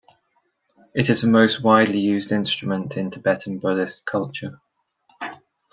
It is the most widely used instrument in Tibetan Buddhist culture.